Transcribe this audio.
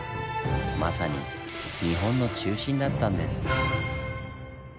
まさに日本の中心だったんです。